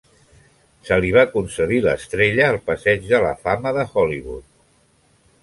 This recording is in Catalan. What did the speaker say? Se li va concedir l'estrella al Passeig de la Fama de Hollywood.